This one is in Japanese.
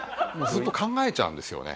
ずっと考えちゃうんですよね。